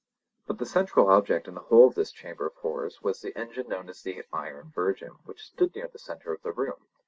But the central object in the whole of this chamber of horrors was the engine known as the Iron Virgin, which stood near the centre of the room.